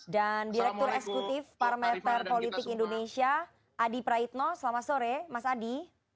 dan direktur eksekutif parameter politik indonesia adi praitno selamat sore mas adi